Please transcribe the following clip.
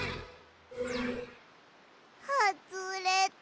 はずれた。